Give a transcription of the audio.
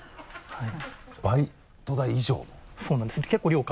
はい。